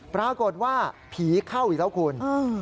ปรากฏว่าผีเข้าอีกแล้วคุณ